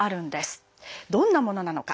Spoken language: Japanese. どんなものなのか。